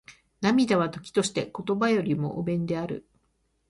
涙は、時として言葉よりも雄弁である。